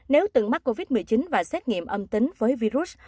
nếu từng mắc covid một mươi chín và xét nghiệm âm tính với virus